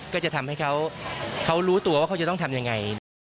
ก็จะทำให้เขารู้ตัวว่าเขาจะต้องทำยังไง